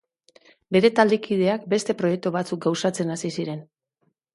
Bere taldekideak beste proiektu batzuk gauzatzen hasi ziren.